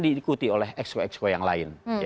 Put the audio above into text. diikuti oleh expo expo yang lain